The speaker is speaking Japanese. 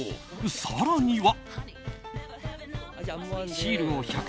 更には。